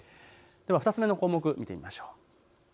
２つ目の項目、見てみましょう。